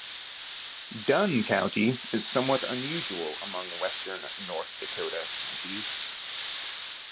Dunn County is somewhat unusual among western North Dakota counties.